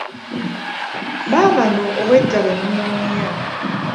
Baabano obwedda be munoonya.